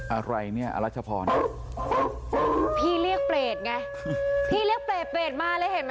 อะไรเนี่ยอรัชพรพี่เรียกเปรตไงพี่เรียกเปรตเปรตมาเลยเห็นไหม